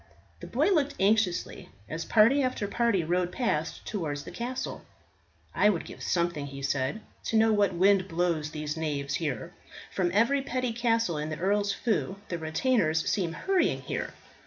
The boy looked anxiously as party after party rode past towards the castle. "I would give something," he said, "to know what wind blows these knaves here. From every petty castle in the Earl's feu the retainers seem hurrying here.